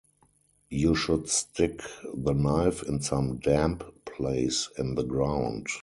You should stick the knife in some damp place in the ground.